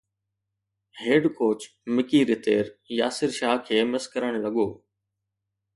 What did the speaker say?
head coach Mickey Arthur Yasir Shah کي miss ڪرڻ لڳو